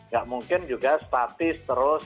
gak mungkin juga statis terus